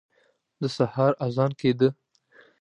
د سهار اذان کېده.